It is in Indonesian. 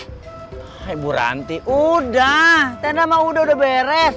eh bu ranti udah tenda sama udo udah beres